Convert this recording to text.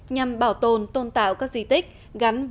nhằm bảo tồn tôn tạo các di tích